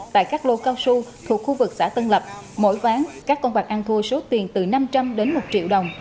tại các lô cao su thuộc khu vực xã tân lập mỗi ván các con bạc ăn thua số tiền từ năm trăm linh đến một triệu đồng